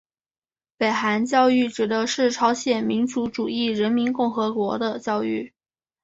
北韩教育指的是朝鲜民主主义人民共和国的教育。